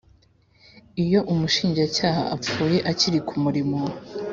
Iyo umushinjacyaha apfuye akiri ku murimo